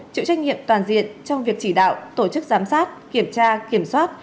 chịu trách nhiệm toàn diện trong việc chỉ đạo tổ chức giám sát kiểm tra kiểm soát